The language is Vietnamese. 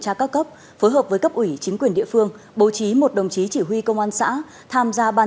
hợp phối hợp với cấp ủy chính quyền địa phương bố trí một đồng chí chỉ huy công an xã tham gia ban